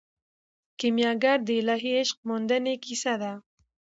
کیمیاګر د الهي عشق موندنې کیسه ده.